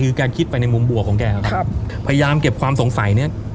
คือแกคิดไปในมุมบวกของแกครับพยายามเก็บความสงสัยเนี้ย